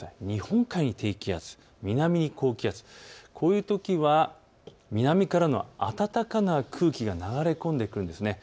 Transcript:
日本海に低気圧、南に高気圧、こういうときは南からの暖かな空気が流れ込んでくるんです。